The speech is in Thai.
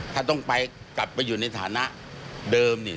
ถ้าต้องไปกลับไปอยู่ในฐานะเดิมเนี่ย